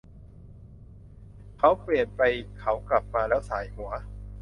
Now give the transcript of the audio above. เขาเปลี่ยนไปเขากลับมาแล้วส่ายหัว